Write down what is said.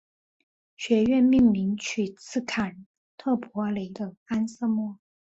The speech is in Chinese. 学院命名取自坎特伯雷的安瑟莫。